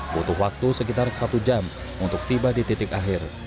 butuh waktu sekitar satu jam untuk tiba di titik akhir